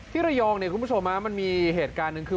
ที่ระยองคุณผู้ชมมันมีเหตุการณ์หนึ่งคือ